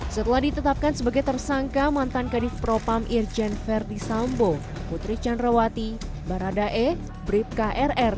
setelah ditetapkan sebagai tersangka mantan kadif propam irjen ferdisambo putri canrawati baradae brib krr